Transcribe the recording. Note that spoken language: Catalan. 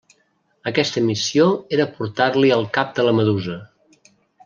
Aquesta missió era portar-li el cap de la Medusa.